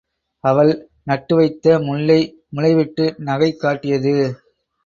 அவள் நட்டு வைத்த முல்லை முளைவிட்டு நகை காட்டியது.